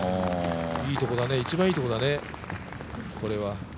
いいとこだね、一番いいとこだね、これは。